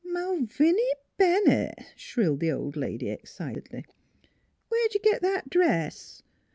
"" Malviny Bennett," shrilled the old lady ex citedly, " where 'd you git that dress?